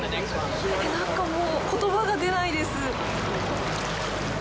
なんかもう言葉が出ないです。